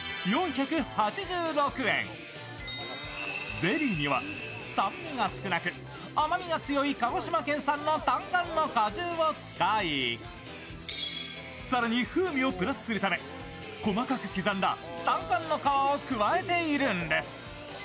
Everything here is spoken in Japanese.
ゼリーには酸味が少なく甘みが強い鹿児島県産のたんかんの果汁を使い、更に風味をプラスするため細かく刻んだたんかんの皮を加えているんです。